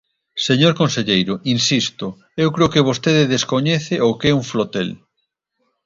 Señor conselleiro, insisto, eu creo que vostede descoñece o que é un flotel.